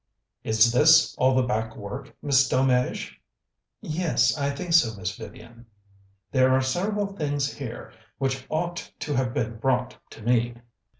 "Is this all the back work, Miss Delmege?" "Yes, I think so, Miss Vivian." "There are several things here which ought to have been brought to me."